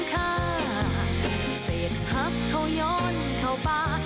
ให้เปรอปเขายนเข้าปลา